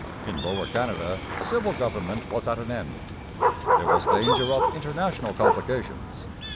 In Lower Canada civil government was at an end. There was danger of international complications.